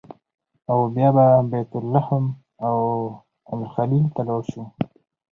او بیا به بیت لحم او الخلیل ته لاړ شو.